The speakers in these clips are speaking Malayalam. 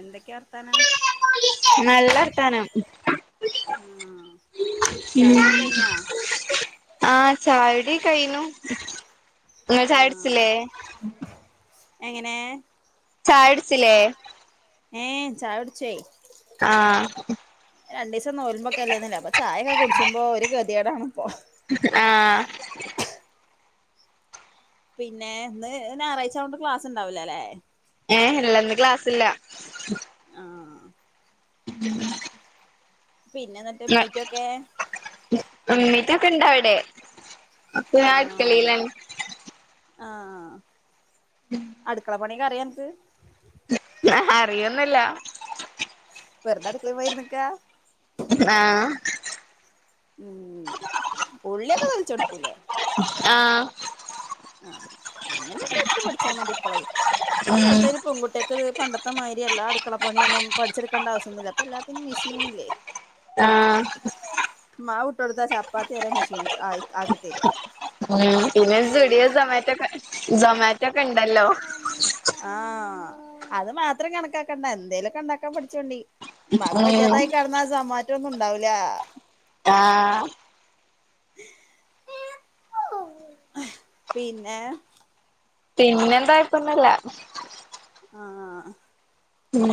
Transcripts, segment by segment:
എന്തൊക്യാവർത്താനം? നല്ലർത്ഥാനം. ആ ചായുടിയൊക്കെ [unintelligible] കഴിഞ്ഞോ ആഹ് ചായുടി കയ്നു. നിങ്ങൾ- ചായുടിച്ചില്ലേ? എങ്ങനേ? ചായുടിച്ചില്ലെ? ഏ ചായ്യുടിച്ചോയി? ആഹ്, രണ്ട് ദിവസം നോൽമ്പോക്ക- അല്ലന്നല്ലോ അപ്പ ചായൊക്കെ- കുടിച്ചുമ്പോ ഒരു ഗതിഏടാണിപ്പോ. ആഹ്, പിന്നെ ഇന്ന് ഞായറാഴ് ആയോണ്ട്- ക്ലാസ് ഇണ്ടാവൂല അല്ലേ. ഏഹ് ഇല്ല ഇന്ന് ക്ലാസ്സില്ല. ആഹ്, [inaudible] പിന്നെ, മീറ്റൊക്കെ മീറ്റൊക്കെ ഇണ്ടാ അവിടെ? അപ്പൊ ഞാൻ ആഹ്, അടുക്കളയിലാണ് ആഹ്, അടുക്കള പ- ക്കെ അറിയ അനക്ക്. അറിയൊന്നുല്ല. വെറതടുക്കളെ പോയിരുന്ന്ക്ക. ആഹ്, ഉം ഉള്ളിയൊക്കെ തൊലിച്ചു കൊടുക്കൂല്ലേ? ആഹ്, ആഹ് അങ്ങനെയൊക്കെ എടുത്ത്- പഠിച്ചാ മതി. ഇപ്പളേ ഇപ്പത്തെ- ഉം കാലത്തയിന് - പെങ്കുട്ട്യക്കത് പണ്ടത്തെ മാരി എല്ലാ അടുക്കള പണിയൊന്നും- പഠിച്ചെടുക്കേണ്ട ആശ്യൊന്നില്ല. ഇപ്പോ എല്ലാത്തിനും മിഷീനില്ലേ. ആഹ്, മാവിട്ടൊടുത്ത ചപ്പാത്തി വരെ- മെഷീൻ ആയി ആക്കിത്തരും. ഉം പിന്നെ, സുടിയോ, സൊമാറ്റോക്കെ- സൊമാറ്റോക്കെണ്ടല്ലോ. ആഹ് അത് മാത്രം കണക്കാക്കണ്ട, എന്തേലൊക്കെണ്ടാക്കാൻ- പഠിച്ചോണ്ടി. മ്മാക്ക് ഉം വജാതായി കെടന്നാ- സമാറ്റൊന്നും ഉണ്ടാവൂല. ആഹ്, പിന്നേ? പിന്നെന്താ? [unintelligible] ആ അഹ് ഉം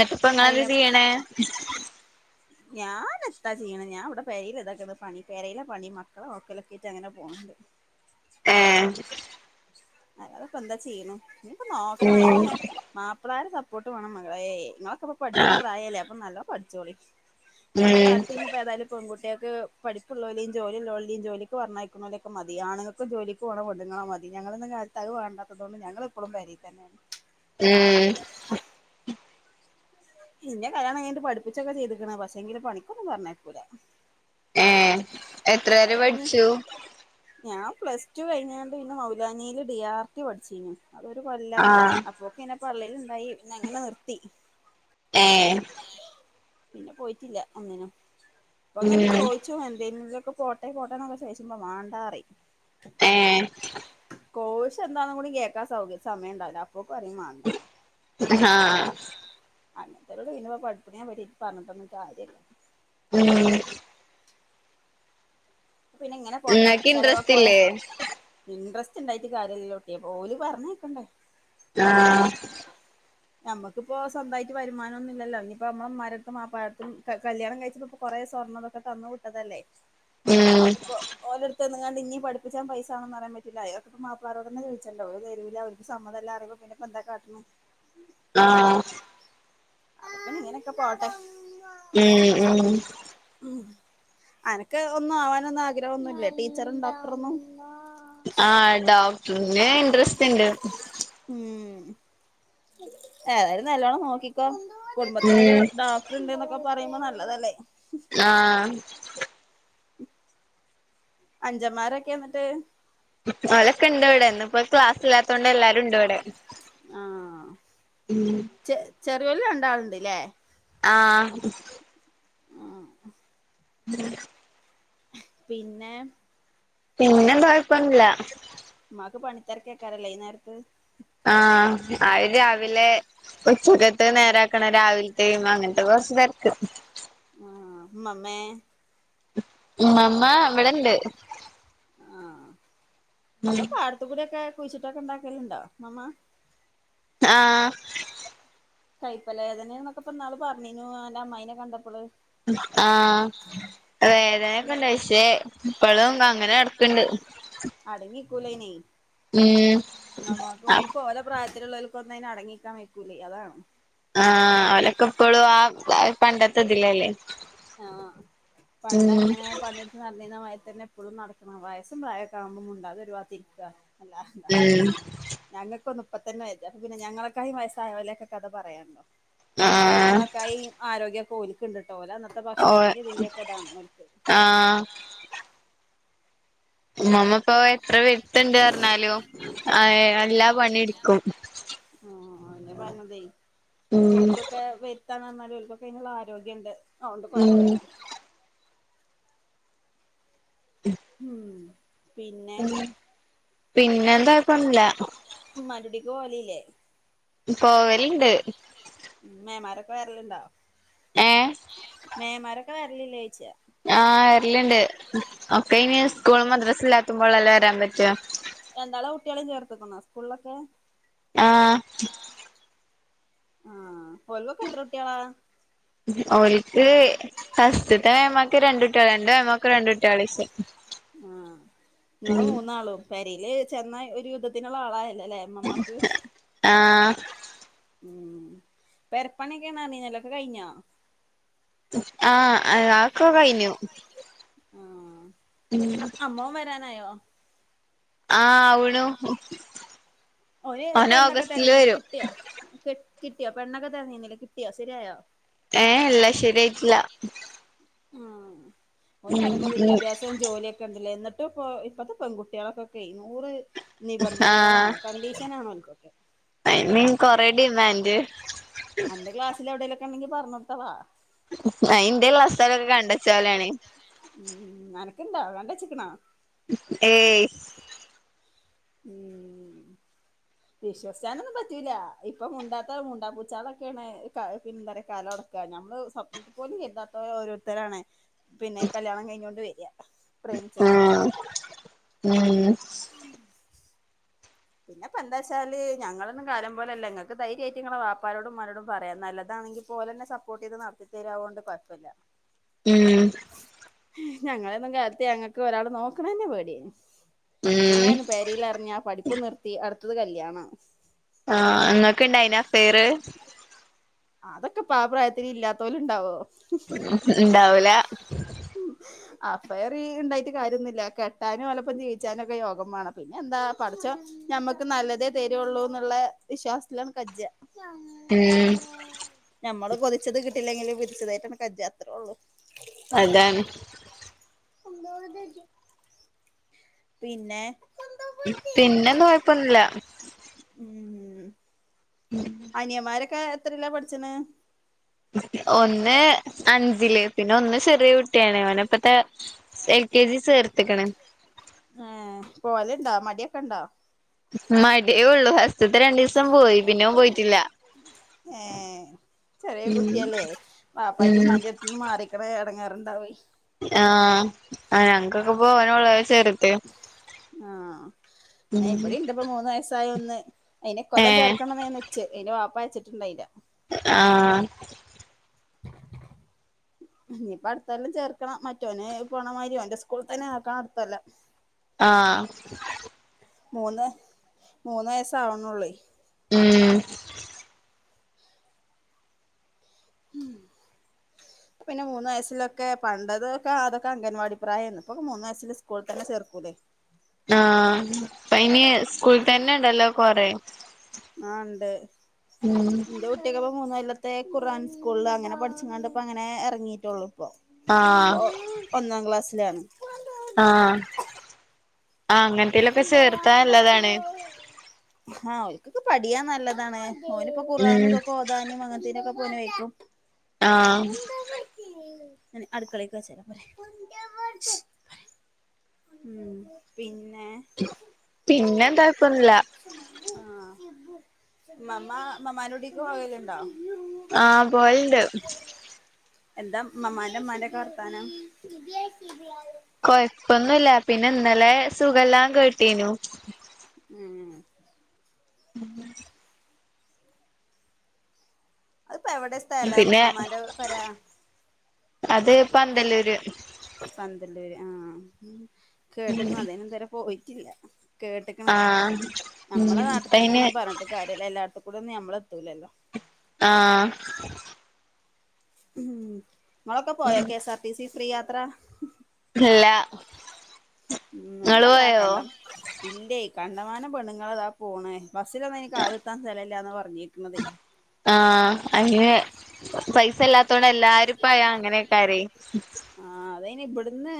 ഇപ്പ അയ്യ ഇങ്ങളെന്താ ചെയ്യണേ? ഞാൻ എത്താ ചെയ്യണ് ഞാൻ ഇവിടെ പെരേല് ഇതാക്കണ് പണി പെരേലെ പണി മക്കളെ നോക്കലൊക്കെയിറ്റ് അങ്ങനെ പോണ് ണ്ട് ഏ അല്ലാതെപ്പെന്താ ചിയ്യ്ണ് നിപ്പൊ നോക്കണം ഉം അയിന് മാപ്പളാരെ സപ്പോർട്ട് വേണം മകളേ ഇങ്ങളൊക്കെ ഇപ്പ പഠിച്ച്ണ ആഹ് പ്രായല്ലേ അപ്പൊ നല്ലോം പഠിച്ചോളി ഉം ഇപ്പൊത്തെ ഉം കാലത്തിന്നും ഇപ്പൊ ഏതായാലും പെൺകുട്ട്യാക്ക് പഠപ്പുള്ളോലീം ജോലി ഉള്ളോലീം ജോലിക്ക് പറഞ്ഞയക്ക്ണോലൊക്കെ മതി ആണ് ഇപ്പൊ ജോലക്ക് പോണ പെണ്ണിങ്ങള മതി ഞങ്ങളൊന്നും കാലത്ത് അത് വേ ണ്ടാത്തതോണ്ട് ഞങ്ങള് ഇപ്പോഴും പെ രേ തന്നേണ് ഉം ഇന്നെ കല്യാണം കഴിഞ്ഞിട്ട് പഠിപ്പിച്ചൊക്കെ ചെയ്തുക്ക്ണ് പക്ഷെങ്കില് പണിക്കൊന്നും പറഞ്ഞയക്കുല ഏ എത്ര വരെ അതിപ്പോ ഇനി പഠിച്ചു? ഞാൻ പ്ലസ് ടു കഴിഞ്ഞാണ്ട് പിന്നെ മൗലാനില് ഡി ആർ ടി പഠിച്ചിനു ഒരു കൊല്ലം ആഹ് അപ്പൊക്കെന്നെ പള്ളെലിണ്ടായി പിന്നെ അങ്ങനെ നിർത്തി ഏ പിന്നെ പോയിട്ടില്ല ഒന്നിനും പ്പോങ്ങനെ ഉം ചോയി ച്ചു എന്തേലും ഇതിലൊക്കെ പോട്ടെ പോട്ടേന്നൊക്കെ ചോയ്ച്ചുമ്പോ മാണ്ടറീം ഏഹ് കോയ്ഷ് എന്താന്നും കൂടി കേക്കാൻ സൗക സമയംണ്ടാവില്ല അപ്പൊ പറിയും മാണ്ട ഉം ഹാ ആ അങ്ങത്തെലോട്‌ പിന്ന പഠിപ്പിനെ പറ്റി പറഞ്ഞിട്ടൊന്നും കാര്യല്ല ഉം പിന്നങ്ങനെ പോട്ടെ ഇങ്ങക്ക് ഇൻട്രസ്റ്റ് ചെലവൊക്കോലെ ഇല്ലേ ഇൻഡ്രസ്റ്റ് ഇണ്ടായിട്ട് കാര്യല്ലലോ കുട്ട്യേ ഓല് പറഞ്ഞയക്കണ്ടേ ആ നമ്മുക്കിപ്പോ സ്വന്തായിട്ട് വരുമാനൊന്നും ഇല്ലല്ലോ ഇനിപ്പോ നമ്മളെ ഉമ്മാരെടുത്തും വാപ്പാരെട്ത്തും ക കല്യാണം കഴിച്ചപ്പോ പ്പൊ കൊറേ സ്വർണ്ണതൊക്കെ തന്നു വിട്ടതല്ലേ ഉം ഇനിയാണ്ട് ഇനീം പഠിപ്പിച്ചാൻ പൈസാണെന്ന് പറയാൻ പറ്റില്ല എ മാപ്പിളാരോടന്നെ ചോദിച്ചണ്ടേ ഓല് തരൂല ഓലിക് സമ്മതമല്ല പറയുമ്പൊ പിന്നെ അപ്പൊ എന്താ കാട്ടനെ ആ അങ്ങനൊക്കെ പോട്ടെ ഉം ഉം ഉം അനക്ക് ഒന്നും ആവാനൊന്നും ആഗ്രഹം ഒന്നുല്ലേ ടീച്ചറും ഡോക്ടറൊന്നും ആ ഡോക്ടറിന് ഇൻ്ററെസ്റ്റ് ഇണ്ട് ഉം ഏതായാലും നല്ലോണം നോക്കിക്കോ കുടുംബത്തിലൊരു ഉം ഡോക്ടർ ഇണ്ട്ന്നൊക്കെ പറയുമ്പോ നല്ലതല്ലേ ആ അഞ്ചമ്മാരൊക്കെ എന്നിട്ട് ഓലൊക്കെ ഇണ്ട് ഇവിടെ ഇന്ന്പ്പൊ ക്ലാസ്സില്ലാത്തോണ്ട് എല്ലാരും ഇണ്ട് ഇവിടെ ആ ഉം ചെ ചെറിയോൽ രണ്ടാളുണ്ട് ല്ലേ ആ ആ [inaudible] പിന്നെ പിന്നെന്താ ഒയ്പ്പൊന്നുല്ല ഇമ്മാക് പണി തെരക്കേക്കാരലെ ഈ നേരത്ത് ആഹ് ആര് രാവിലെ ഉച്ചകത്തത് നേരാക്കണ രാവിൽത്തെയും അങ്ങനെ പ്പോ കൊർച്ച് തെര്ക്ക് ആഹ് മ്മമ്മേ ഇമ്മമ്മ വിടണ്ട് ആഹ് പ്പൊപാടത്ത് കൂട്യക്കെ കുഴിച്ചിട്ടക്കെണ്ടാക്കല്ണ്ടോ മമ്മാ ആഹ് കൈപ്പലേദനെന്നൊക്കെപ്പാള് പർണീഞ്ഞു അന്റെ അമ്മായിനെ കണ്ടപ്പള് ആഹ് അയിന് വേദനൊക്കെണ്ട് അശ്ശേ പ്പളും അങ്ങനെ നടക്ക്ണ്ട് അടങ്ങികൂലയ്നൈ ഉം മ്മമ്മാക്ക് ആഹ് ഓൽക്ക് ഓല പ്രായത്തിലുള്ളോൽക്കൊന്നയ്ന അടങ്ങിക്കാൻ വൈക്കൂലേ അതാണ് ആഹ് അവലൊക്കെ ഇപ്പോഴും ആഹ് പണ്ടത്തതിലല്ലേ ആഹ് പണ്ടങ്ങനെ പണി നട്ന്നീന്നമാര്തന്നെ പ്പോളും നടക്കണം വയസും പ്രായൊക്കാകുമ്പോ മുണ്ടാതെ ഒരു ഭാഗത്ത് ഇരിക്കാ അല്ലാ ഉം ഞങ്ങകൊന്നും ഇപ്പതന്നെ ബെജാറ് പിന്നെ ഞങ്ങളൊകായി വയസ്സായോ ലെകെ കഥ പറയാണ്ടോ എന്നാലും ആഹ് ഞങ്ങളക്കായിം ആരോഗ്യക്കൊൽക്ക്ണ്ട്ട്ടോ ഓല അന്നത്തെ ഓ ഭക്ഷ്ണത്തിന്റെ ഇതിന്റെയൊക്കെ ഇതാണ് ഒൽക്ക് ആഹ് ഇമ്മമ്മപ്പോ എത്ര വര്ത്തണ്ട് പർഞ്ഞാലും ആഹ് എല്ലാ പണിട്ക്കും ആഹ് ന്ന്പർഞ്ഞദൈ ഉം അപോഹോൽക്കൊക്കെ [unintelligible] ത്താ നർഞ്ഞാല് ഓൾക്കൊക്കെെന്ള്ള ആരോഗ്യണ്ട് അതോണ്ട് ഉം കൊയ്പ്പല്ല ഉം ഉം പിന്നെ പിന്നെന്തായ് പന്നുല്ലാ ഇമ്മാൻ്റുടീക്ക് പോവലില്യേ പോവലുണ്ട് പോവല്ണ്ട് ഉം മേമാരൊക്കെ വെര്ല്ണ്ടോ ഏ ഏഹ് മേമാരൊക്കെ വെര്ലില്ലേച്ചാ ആഹ് വര്ല്ണ്ട് ഒകൈന് സ്കൂളും മദ്രസ് ല്ലാത്തുമ്പോളല്ലേ വരാംമ്പറ്റാ ഇല്യ എന്താള കുട്ട്യേളിം ചേർത്ത്ക്ക്ണോ സ്കൂൾളൊക്കെ ആഹ് ആഹ് ഓൽക്കൊക്കെ എത്ര കുട്ട്യേളാ ഓയിൽ ഫസ്റ്റ്ത്തേ ഏമാക്ക് രണ്ട്ട്ട്യോളാ രണ്ട് മേമാക്ക് രണ്ട്ട്ട്യേളീഷേ ആഹ് ങ്ങള് മൂന്നാളും പെരീല് ചെന്ന ഒരു യുദ്ധത്തിനുള്ള ആളായല്ലേലേ ഇമ്മമാക്ക് ആഹ് ആഹ് ഉം പെരപ്പണിക്കേണർഞ്ഞീന്നല്ലോ ഒക്ക കയ്ഞ്ഞോ ആഹ് അത് അതക്ക കയ്ഞ്ഞു ഉം അമ്മോം വരാനായോ ആവ്ണു ഓര് പെണ്ണക്ക തെര്ഞ്ഞീന്നിലേ വരും കിട്ട്യോ ക് കിട്ട്യോ പെണ്ണക്കെ തെര്ഞ്ഞീന്നിലേ കിട്ട്യോ സെര്യായോ ഏഹ് ല്ല ശര്യായ്റ്റില്ല ഓൻ്ററിമ്പോ ഉം വിദ്യാഭ്യസം ജോലി കണ്ടിലേ ന്ന്ട്ട്പ്പോ ഇപ്പത്തെ പെൺകുട്ട്യേളക്കക്കെയ് നൂറ് ആ നിബന്ധനകളാണ് കണ്ടീഷനാണോൽക്കൊക്കെ അയിന് കൊറെ ഡിമാൻഡ് അന്റെ ക്ലാസില് എവിടേലെക്കെണ്ടെങ്കി പറഞ്ഞോട്തള അ ഇന്റെയിലെ ആ സ്ഥലോക്കെ കണ്ടച്ചലാണ് ഉം അനക്ക്ണ്ടാ കണ്ടച്ചിക്കണോ ഏയ് ഉം ഉം വിശ്വസ്ഥാനൊന്നും പറ്റൂല ഇപ്പം മുണ്ടാത്ത മുണ്ടാ പൂചാലെക്കെയാണ് പി പിന്നെ കലോട നമ്മള് സ്വപ്നത്തിപോലും എന്താത്ത ഓരോരുതരാണ് പിന്നെ കല്യാണം കഴിഞ്ഞൊണ്ട് വര ആ പ്രേമിച്ചതാണ് പറഞ്ഞിട്ട് ഉം അഹ് പിന്നെപ്പൊന്താച്ചാല് ഞങ്ങളൊന്നും കാലം പോലല്ല ഇങ്ങക്ക് ധൈര്യയ്ട്ട്ങ്ങളെ വാപ്പാരോടും ഉമ്മാരോടും പാറയാ നല്ലതാണെങ്കി പോലെന്നെ സപ്പോർട്ടെയ്ത് നടത്തിത്തരാവുക കൊണ്ട് കുഴപ്പല്ല ഉം ഞങ്ങളന്നും കാലത്ത് ഞങ്ങക്ക് ഒരാള് നോക്കണന്നെ പേടിയ ഉം എങ്ങാനും പേരയിലറിഞ്ഞ പഠിപ്പ് നിർത്തി അടുത്തത് കല്യാണ ആഹ് ഇങ്ങക്ക ഇണ്ടായിന അഫേര് അതൊക്കെ ഇപ്പ ആ പ്രായത്തില് ഇല്ലാതോലുണ്ടാവോ ഉണ്ടാവൂല ഉം അഫെറ് ഇണ്ടായിട്ട് കാര്യൊന്നുല്ല കെട്ടാനും ഒലപ്പം ജീവിച്ചാനും ഒക്കെ യോഗം വേണം പിന്നെ എന്താ പഠചോൻ ഞമ്മക്ക് നല്ലതേ തരുള്ളൂന്നുള്ള വിശ്വാസത്തിലാണ്ട് കജ്ജ ഉം ഞമ്മള് കൊതിച്ചത് കിട്ടില്ലെങ്കില് വിതിച്ചതായിട്ടാണ് കജ്ജ അത്രേ ഉള്ളു അതാണ് തോ ദജ് പിന്നെ പിന്നെന്നും കുഴപ്പൊന്നില്ല ഉം ഉം അനിയമാരൊക്കെ എത്രല്ല പഠിച്ചണ് ഒന്ന് അഞ്ചില് പിന്നെ ഒന്ന് ചെറിയ കു ട്ടിയാണ് ഓന് ഇപ്പത്തെ എൽ കെ ജി സേർത്ത്ക്ക്ണ് ഏഹ് പോല്ണ്ടോ മടിയോക്കെണ്ടോ മടേ ഉള്ളൂ ഫസ്റ്റ്ത്തെ രണ്ടിസം പോയി. പിന്നെഓൻ പോയിട്ടില്ല ഏ ചെറിയ ഉം കുട്ടില്ലേ പാപ്പന്റിം ഉം മ്മന്റിം അടുത്ത്ന്ന് മാറി ഇത്ര എടങ്ങേറുണ്ടാവെയി ആഹ് അ ഞങ്ങക്കൊക്കെപോ ഓനുള്ള ചെറുത് ആഹ് ഉം ഇവിടെ ഇണ്ട്പ്പ മൂന്ന് വയസായ ഒന്ന് അയിനെ ഇകൊല്ലം ഏഹ് ചേർക്കണംമന്ന്ച്ച് അയിന്റെ വാപ്പാ അച്ചിട്ടുണ്ടായില്ല ആഹ് [inaudible] ഇനിപ്പ അടുത്തെല്ലാം ചേർക്കണം മറ്റോന പോണമാതിരി ഓന്റെ സ്കൂളി തന്നെ ആക്കണ അടുത്തല്ലാം ആഹ് മൂന്ന് മൂന്ന് വയസ്സാവുനുള്ളെ ഉം [inaudible] പ്പ പിന്നെ മൂന്ന് വയസ്സിലൊക്കെ പണ്ടതതൊക്കെ അതൊക്കെ അംഗൻവാടി പ്രായംന്ന് ഇപ്പോ മൂന്ന് വയസ്സിൽ സ്കൂള തന്നെ ചേർക്കൂല്ലേ ആഹ് പ്പയിനി സ്കൂള്തന്നെ ണ്ടല്ലോ കൊറേ അഹ് ഉണ്ട് ഉം ന്റെ കുട്ടക്കപ്പോ മൂന്ന കൊല്ലത്തെ ഖുറാൻ സ്കൂളിൽ അങ്ങനെ പഠിച്ചു കണ്ടപ്പോ അങ്ങനെ ഇറങ്ങിട്ടുള്ളു ഇപ്പോ ആഹ് ഇപ്പൊ ഒന്നാം ക്ലാസ്സിലാണ് ആഹ് അങ്ങനത്തേലൊക്കെ ചേർത്താല്ലതാണ് ആഹ്ഓൽക്കെ പഠിയാ നല്ലതാണ് ഓനിപ്പോ ഖുർആൻ ഉം ഇതൊക്കെ ഓദാനും അങ്ങനത്തേനുംക്കെ പോന് വെയ്ക്കും ആഹ് അടുക്കളക്ക് വച്ചരാ പറ ഉം പിന്നെ പിന്നെന്താക്കന്നില്ല ആ മമ്മ മ്മാമ്മന്റെ കുടിക് പോകലുണ്ടോ ആഹ് പോൽ ണ്ട് എന്താ മമ്മാന്റെ മ്മാന്റെ ഒക്കെ വർത്താനം കൊഴപ്പൊന്നുല്ല പിന്നെ ഇന്നലെ സുഖല്ലാം കേട്ടീനു ഉം ഉം അത്പ്പൊ എവിടെ സ് പിന്നെ അത് പന്തല്ലൂര് പന്തല്ലുര് ആഹ കേട്ടക്ണ് അതന് ഇതുരെ പോയിറ്റില്ല കേട്ടിക്കണ് ആഹ് ഉം നമ്മളെ നാട്ടി തന്നെ ഇപ്പയിന് ഒന്നും പറഞ്ഞിട്ട് കാര്യല്ല എല്ലായിടത്തും കൂടെ ഒന്നും നമ്മളെത്തൂലല്ലോ ആഹ് ഉ ങ്ങളൊക്കെ പോയോ K S R T C free യാത്ര ഇല്ല ഉം ഇങ്ങള് എവിടെ അതാ പോയോ കണ്ട. ഇല്ലേ കണ്ടമാനം പെണുങ്ങൾതാ പോണേ ബസ്സിലൊന്നും ഇനി കാല എത്താൻ സ്ഥലമില്ലെന്നു പറഞ്ഞിരിക്കുന്നുന്നത് ആഹ അങ്ങെ പൈസല്ലാത്തോണ്ട് എല്ലാരുംപ്പയാ അങ്ങനെയൊക്കാര ആഹ അതായിന് ഇബട്ന്ന്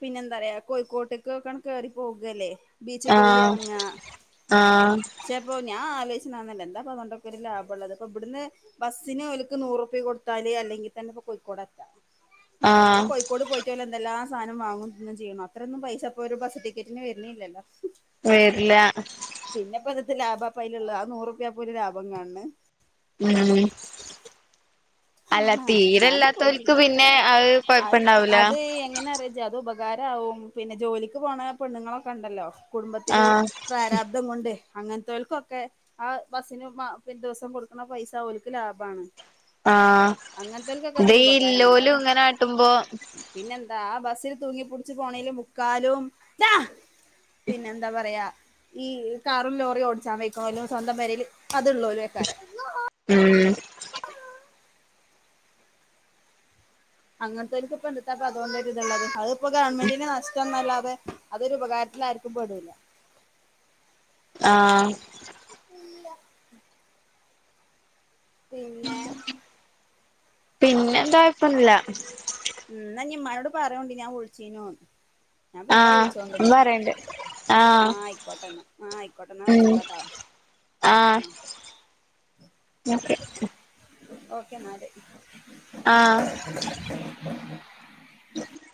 പിന്നെന്താ പറയാ കോഴിക്കോട്ടേക്ക്ക്ക കേറി പോകല്ലേ ബീച്ച് പോയി ആഹ് എറങ്ങാ ആഹ് പക്ഷേ പ്പോൾ ഞാൻ ആലോചിച്ച ആന്നല്ല എന്താപ്പതൊണ്ടരു ലാഭംള്ളത് പ്പ ഇബട്ന്ന് ബസ്സിന് ഓൽക് നൂറുപിയ കൊടുത്താല് അല്ലെങ്കി തന്നെ ഇപ്പ കോഴിക്കോടെത്താം അപ്പ ആഹ് കോഴക്കോട് പോയി പറ്റല്ല എന്തെല്ലാ സാധനം വാങ്ങുന്നന്നും ചെയ്യണം അത്രൊന്നും പൈസ ഇപ്പൊ ഒരു ബസ് ടിക്കറ്റിന് വരുന്നില്ലല്ലോ വരില്ല പിന്നെപ്പതത്തെ ലാഭാ പലള്ള ആ നൂറുപ്യ പോലും ലാഭം കാണണ് ഉം അല്ല ആഹ് ഞാനും തീരെല്ലാത്തോൽക്ക് പോയിട്ടില്ല പിന്നെ അഹ് കൊഴപ്പണ്ടാവൂല. എങ്ങനെറിയോ ജ് അത് ഉപകാരവും പിന്നെ ജോലിക്ക് പോണ പെണ്ണുങ്ങളൊക്കെ ഇണ്ടല്ലോ കുടുംബത്തില് ആഹ് പ്രാരാ ദം കൊണ്ട് അങ്ങൻതോൽക്കൊക്കെ ആ ബസ്സിന് പി ദിവസം കൊടുക്കണ പൈസ ഓൽക്ക് ലാഭാണ്. ആഹ് അങ്ങനത്തെവർക്കൊക്കെ അതൊരു ഉപകാരമാണ് ഇതില്ലോലും അല്ലാതെ ഇങ്ങനൊകാട്ടുമ്പോ പിന്നെന്താ ബസ്സിൽ തൂങ്ങിപുടിച്ച് പോണീല് മുക്കാലും ടാ പിന്നെഎന്താ പറയാ ഈ കാറും ലോറി ഓടിച്ചാ വെയ്ക്ക്ണോലും സ്വന്തം പേരില് അത് ഉള്ളൊരുക്കാരം. ഉം അങ്ങൻ തോൽക്ക് ഇപ്പ എന്ത്‌താപ്പ അതോണ്ട് ഒര് ഇത്ള്ളത് അത് ഇപ്പ ഗവൺമെന്റിന് നഷ്ട്ടം ന്നല്ലാതെ. അതൊരു ഉപകാരത്തിലാര്ക്കും പെടൂല. ആ [inaudible] പിന്നെ പിന്നെ എന്താ കൊയ്‌പ്പൊന്നുല്ല. ഉം ന്നാ ഇഞ്ഞി ഇമ്മാനോട് പറയോണ്ടി ഞാൻ വിൾച്ചീനു ഞാൻ പിന്നെ ആഹ് വിൾച്ചോണ്ട് ഇഞ്ഞി. പറയണ്ട് ആഹ് ആ അയ്‌ക്കോട്ട ന്ന ആ അയിക്കോട്ട ന്നാ വെച്ചാള ട്ടോ. ആ ന്ന ഓക്കെ ഓക്കെ ന്നാല്. ആഹ് [inaudible]